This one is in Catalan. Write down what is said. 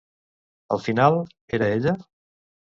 Al final, era ella?